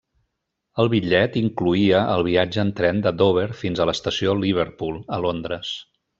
El bitllet incloïa el viatge en tren de Dover fins a l'estació Liverpool, a Londres.